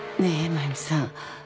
真弓さん。